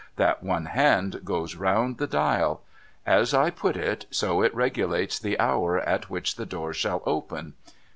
That one hand goes round the dial. As I put it, so it regulates the hour at which the door shall open.